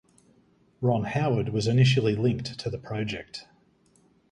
Ron Howard was initially linked to the project.